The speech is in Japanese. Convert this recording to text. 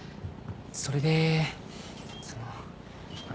それでそのあの。